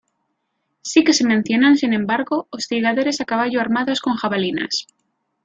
Sí que se mencionan, sin embargo, hostigadores a caballo armados con jabalinas.